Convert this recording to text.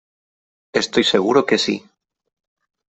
Estoy seguro que sí